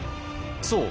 そう。